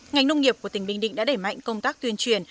ngành nông nghiệp của tỉnh bình định đã đẩy mạnh công tác tuyên truyền